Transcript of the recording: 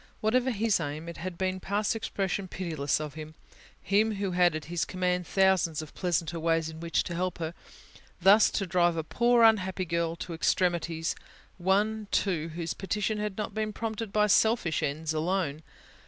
Whatever His aim, it had been past expression pitiless of Him, Him who had at His command thousands of pleasanter ways in which to help her, thus to drive a poor unhappy girl to extremities: one, too, whose petition had not been prompted by selfish ends alone.